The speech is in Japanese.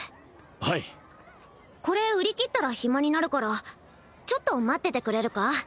はいこれ売り切ったら暇になるからちょっと待っててくれるか？